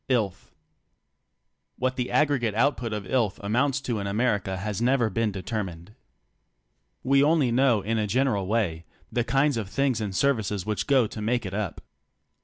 "ILLTH" What the aggregate output of "illth" amounts to in Amer ica has never been determined. We only know in a general way the kinds of things and services which go to make it up.